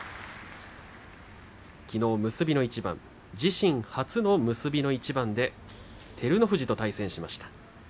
きのう結びの一番自身初の結びの一番で照ノ富士と対戦しました。